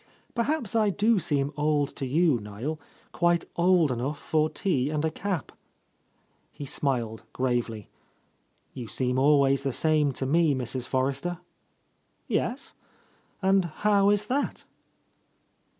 "Perhaps I do seem old to you, Niel, quite old enough for tea and a cap !" He smiled gravely. "You seem always the same to me, Mrs. Forrester." "Yes? And how is that?"